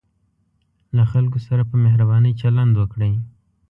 له خلکو سره په مهربانۍ چلند وکړئ.